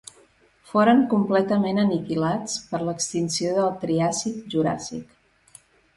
Foren completament aniquilats per l'extinció del Triàsic-Juràssic.